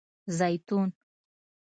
🫒 زیتون